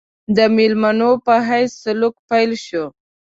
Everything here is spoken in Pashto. د مېلمنو په حیث سلوک پیل شو.